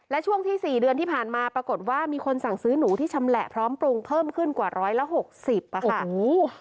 และช่วงที่๔เดือนที่ผ่านมาปรากฏว่ามีคนสั่งซื้อหนูที่ชำแหละพร้อมปรุงเพิ่มขึ้นกว่าร้อยละหกสิบอ่ะค่ะ